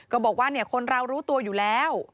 ก็บอกว่าคนเรารู้ตัวอยู่แล้ว